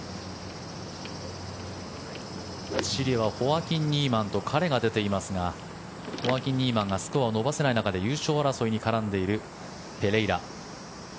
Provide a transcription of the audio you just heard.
チリはホアキン・ニーマンと彼が出ていますがホアキン・ニーマンがスコアを伸ばせないで優勝争いに絡んでいるペレイラ。